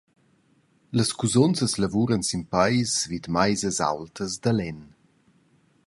Las cusunzas lavuran sin peis vid meisas aultas da lenn.